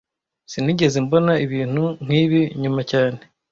Sinigeze mbona ibintu nkibi nyuma cyane